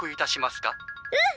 うん。